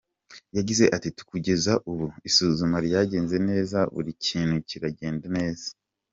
Yagize ati “Kugeza ubu, isuzuma ryagenze neza, buri kintu kiragenda neza.